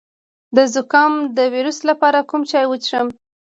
د زکام د ویروس لپاره کوم چای وڅښم؟